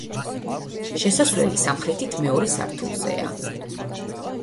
შესასვლელი სამხრეთით მეორე სართულზეა.